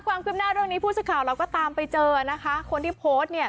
กว่าคลิปหน้าตรงนี้พูดสักข่าวเราก็ตามไปเจอนะคะคนที่โพสต์เนี้ย